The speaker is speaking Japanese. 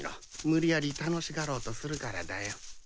無理やり楽しがろうとするからだよ。